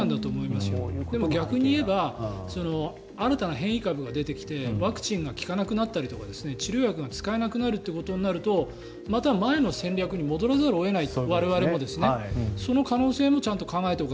でも逆に言えば新たな変異株が出てきてワクチンが効かなくなったり治療薬が使えなくなるとまた、前の戦略に戻らざるを得ない。